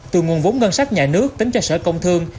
từ nguồn vốn ngân sách nhà nước tính cho sở công thương